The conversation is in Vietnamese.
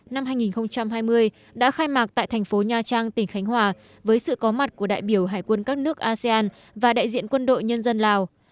năm hai nghìn hai mươi đã khai mạc tại thành phố nha trang tỉnh khánh hòa với sự có mặt của đại biểu hải quân các nước asean và đại diện quân đội nhân dân lào